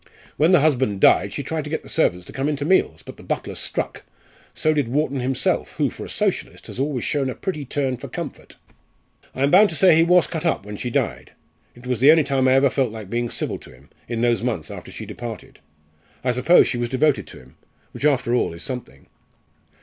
When the husband died she tried to get the servants to come in to meals, but the butler struck. So did Wharton himself, who, for a Socialist, has always showed a very pretty turn for comfort. I am bound to say he was cut up when she died. It was the only time I ever felt like being civil to him in those months after she departed. I suppose she was devoted to him which after all is something."